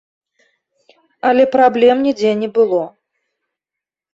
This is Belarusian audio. Але праблем нідзе не было.